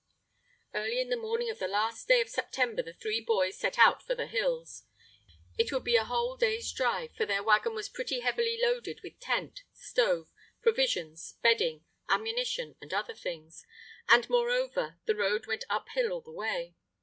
Early in the morning of the last day in September the three boys set out for the hills. It would be a whole day's drive, for their waggon was pretty heavily loaded with tent, stove, provisions, bedding, ammunition, and other things, and, moreover, the road went up hill all the way.